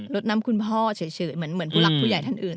รถน้ำคุณพ่อเฉยเหมือนผู้หลักผู้ใหญ่ท่านอื่น